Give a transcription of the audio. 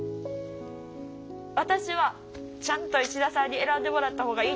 私はちゃんと石田さんに選んでもらった方がいいと思う。